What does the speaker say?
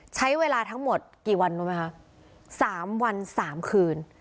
ใช้เวลาทั้งหมดกี่วันรู้ไหมคะ๓วัน๓คืน